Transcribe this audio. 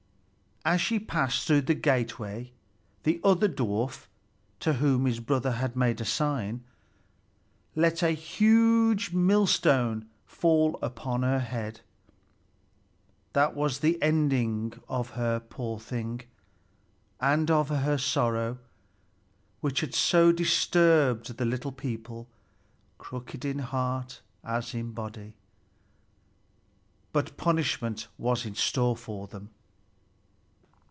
As she passed through the gateway, the other dwarf, to whom his brother had made a sign, let a huge millstone fall upon her head. That was the ending of her, poor thing, and of her sorrow, which had so disturbed the little people, crooked in heart as in body. But punishment was in store for them.